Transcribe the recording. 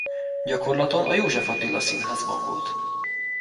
Gyakorlaton a József Attila Színházban volt.